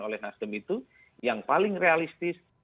oleh nasdem itu yang paling realistis